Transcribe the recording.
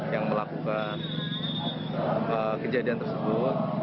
yang melakukan kejadian tersebut